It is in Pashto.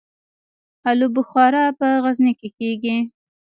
الو بخارا په غزني کې کیږي